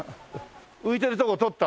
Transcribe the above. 浮いてるとこ撮った？